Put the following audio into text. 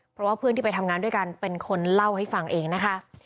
เพราะว่าเพื่อนที่ไปทำงานด้วยกันเป็นคนเล่าให้ฟังเองนะคะ